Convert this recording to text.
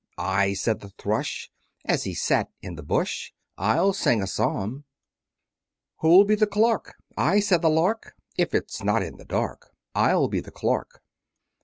I, said the Thrush, As he sat in the bush, I'll sing a Psalm? Who'll be the Clerk? I, said the Lark, If it's not in the dark, I'll be the Clerk.